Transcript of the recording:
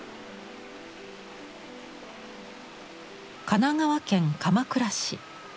神奈川県鎌倉市。